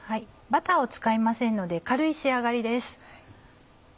バターを使いませんので軽い仕上がりです。